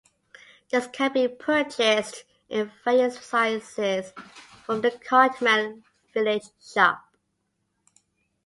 This can be purchased in various sizes from the Cartmel Village Shop.